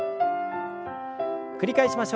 繰り返しましょう。